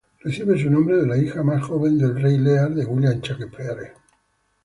Recibe su nombre de la hija más joven del Rey Lear de William Shakespeare.